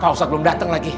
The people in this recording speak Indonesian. pak ustadz belum dateng lagi